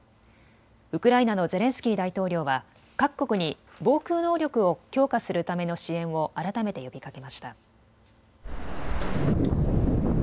ウクライナのゼレンスキー大統領は各国に防空能力を強化するための支援を改めて呼びかけました。